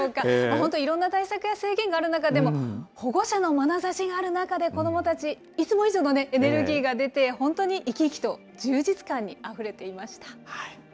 本当、いろんな対策や制限がある中でも、保護者のまなざしがある中で、子どもたちいつも以上のね、エネルギーが出て、本当に生き生きと、充実感にあふれていました。